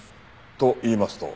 と言いますと？